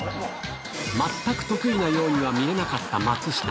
全く得意なようには見えなかった松下。